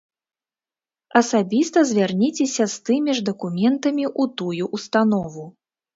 Асабіста звярніцеся з тымі ж дакументамі ў тую ўстанову.